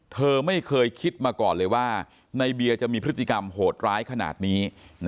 เธอไม่เคยคิดมาก่อนเลยว่าในเบียจะมีพฤติกรรมโหดร้ายขนาดนี้